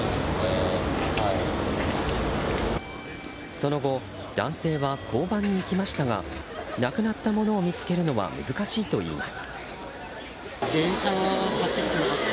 その後、男性は交番に行きましたがなくなったものを見つけるのは難しいといいます。